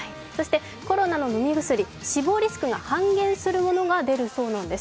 コロナの飲み薬、死亡リスクが半減するものがあるそうなんです。